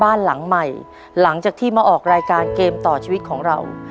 บ้านหลังใหม่หลังจากที่มาออกรายการเกมต่อชีวิตของเรา